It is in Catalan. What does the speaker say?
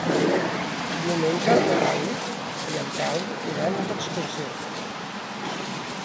Diumenge na Thaís i en Telm iran d'excursió.